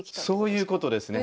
そういうことですね。